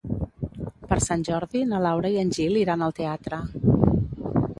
Per Sant Jordi na Laura i en Gil iran al teatre.